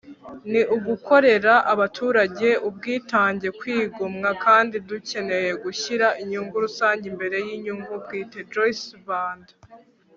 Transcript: ni ugukorera abaturage ubwitange, kwigomwa, kandi dukeneye gushyira inyungu rusange imbere y'inyungu bwite. - joyce banda